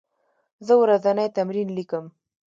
زه ورځنی تمرین لیکم.